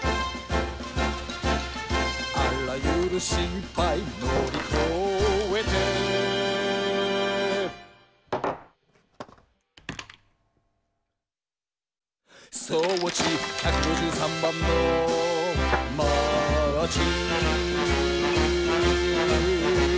「あらゆるしっぱいのりこえてー」「装置１５３番のマーチ」